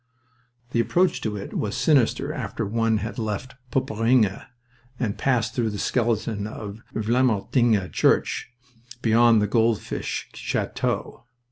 The approach to it was sinister after one had left Poperinghe and passed through the skeleton of Vlamertinghe church, beyond Goldfish Chateau...